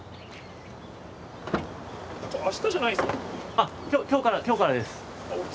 あっ今日から今日からです。